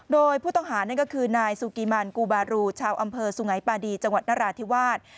โดยผู้ต้องหานั่นก็คือนายซูกิมันกูบารูชาวอำเภอสุงัยปาดีจังหวัดนราธิวาส